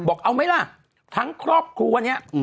บอกเอาไหมล่ะทั้งครอบครัวเนี่ย